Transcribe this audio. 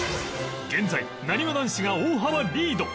現在なにわ男子が大幅リード